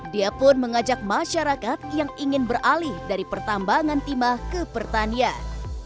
dia pun mengajak masyarakat yang ingin beralih dari pertambangan timah ke pertanian